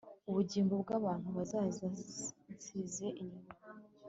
Ubugingo bwabantu bazaza Nsize inyuma